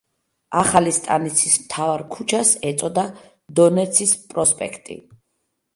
ახალი სტანიცის მთავარ ქუჩას ეწოდა დონეცის პროსპექტი.